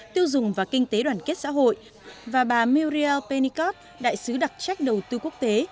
tiêu dùng và kinh tế đoàn kết xã hội và bà mauriel pennikov đại sứ đặc trách đầu tư quốc tế